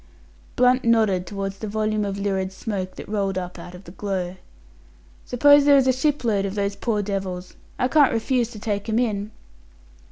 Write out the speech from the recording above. Blunt nodded towards the volume of lurid smoke that rolled up out of the glow. "Suppose there is a shipload of those poor devils? I can't refuse to take 'em in."